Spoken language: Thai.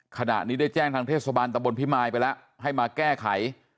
ขณะนี้ได้แจ้งทางเทศบาลตะบนพิมายไปแล้วให้มาแก้ไข